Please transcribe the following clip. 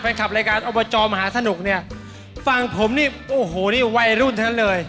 รายการอบจมหาสนุกเนี่ยฟังผมนี่โอ้โหนี่วัยรุ่นทั้งนั้นเลย